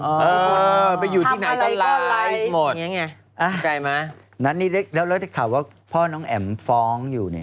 เออไปอยู่ที่ไหนก็ไลฟ์หมดเห็นไหมแล้วเราจะข่าวว่าพ่อน้องแอ๋มฟ้องอยู่เนี่ย